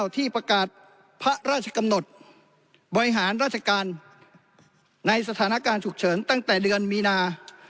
ที่ประกาศพระราชกำหนดบริหารราชการในสถานการณ์ฉุกเฉินตั้งแต่เดือนมีนา